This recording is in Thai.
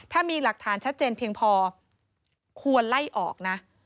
ถ้ามีหลักฐานชัดเจนเพียงพอควรไล่ออกนะ